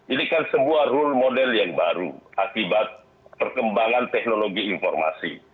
ini kan sebuah role model yang baru akibat perkembangan teknologi informasi